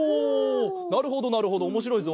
なるほどなるほどおもしろいぞ。